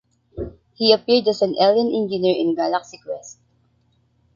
He appeared as an alien engineer in "Galaxy Quest".